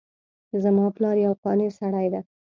زما پلار یو قانع سړی ده